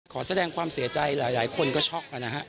ขอแสดงความเสียใจหลายคนก็ช็อกนะฮะ